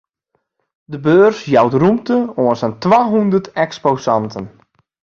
De beurs jout rûmte oan sa'n twahûndert eksposanten.